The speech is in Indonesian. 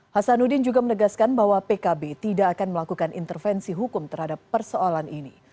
hasanuddin juga menegaskan bahwa pkb tidak akan melakukan intervensi hukum terhadap persoalan ini